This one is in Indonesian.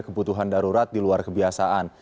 kebutuhan darurat di luar kebiasaan